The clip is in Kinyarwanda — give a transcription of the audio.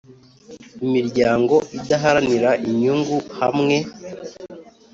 Imiryango idaharanira inyungu hamwe